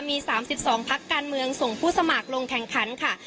มี๓๒พักการเมืองส่งผู้สมัครลงแข่งขันค่ะ